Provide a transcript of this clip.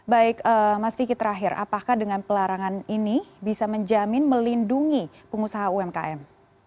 baik mas vicky terakhir apakah dengan pelarangan ini bisa menjamin melindungi pengusaha umkm